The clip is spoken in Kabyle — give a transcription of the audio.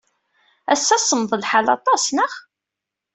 Ass-a, semmeḍ lḥal aṭas, naɣ?